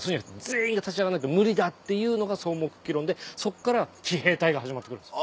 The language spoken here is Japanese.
全員が立ち上がんないと無理だっていうのが草莽崛起論でそこから奇兵隊が始まってくるんです。